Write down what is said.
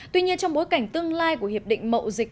tuy nhiên trong bối cảnh tương lai của hiệp định mậu dịch